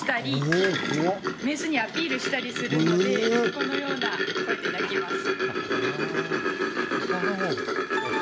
このようなこうやって鳴きます。